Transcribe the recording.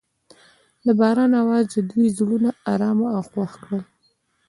د باران اواز د دوی زړونه ارامه او خوښ کړل.